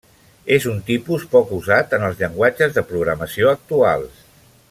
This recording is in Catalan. És un tipus poc usat en els llenguatges de programació actuals.